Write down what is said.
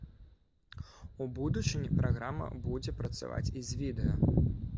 У будучыні праграма будзе працаваць і з відэа.